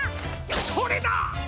それだ！